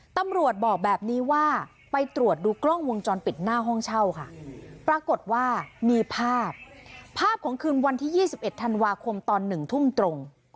ตำรวจบอกแบบนี้ว่าไปตรวจดูกล้องวงจรปิดหน้าห้องเช่าค่ะปรากฏว่ามีภาพภาพของคืนวันที่๒๑ธันวาคมตอน๑ทุ่มตรง